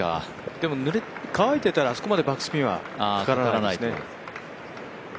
でも乾いてたら、あそこまでバックスピンはかからないですね。